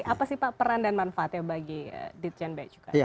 apa sih pak peran dan manfaatnya bagi ditjenb